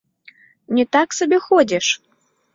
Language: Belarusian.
Не так сабе ходзіш!